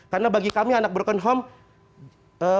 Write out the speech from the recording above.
karena bagi kami anak broken home